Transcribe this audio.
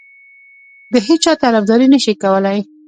د هیچا طرفداري نه شي کولای.